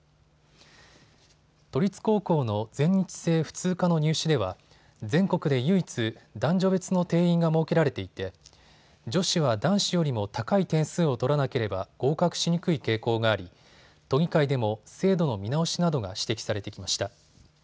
都立高校の全日制普通科の入試では全国で唯一、男女別の定員が設けられていて女子は男子よりも高い点数を取らなければ合格しにくい傾向があり都議会でも制度の見直しなどが指摘されてきました。